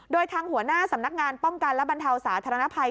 โดยทางหัวหน้าสำนักงานป้องกันและบรรเทาสาธารณภัย